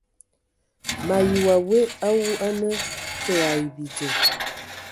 Me ayi wa we awu a na te ai bidzo !